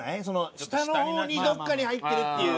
下の方にどっかに入ってるっていう。